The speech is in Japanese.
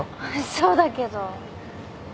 そうだけど。